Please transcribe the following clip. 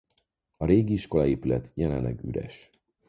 A régi iskolaépület jelenleg üres.